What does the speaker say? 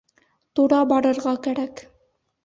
Тура барырға кәрәк